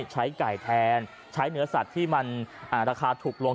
ใช้ไก่แทนใช้เนื้อสัตว์ที่มันราคาถูกลง